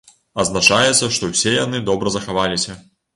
Адзначаецца, што ўсе яны добра захаваліся.